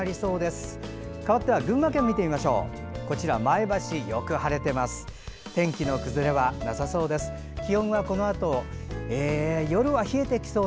かわっては群馬県見てみましょう。